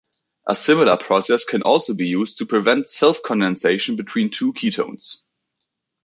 A similar process can also be used to prevent self-condensation between two ketones.